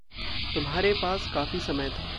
तुम्हारे पास काफ़ी समय था।